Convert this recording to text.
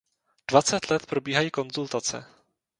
Dvacet let probíhají konzultace.